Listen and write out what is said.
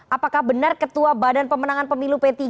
apakah benar ketua badan pemenangan pemilu p tiga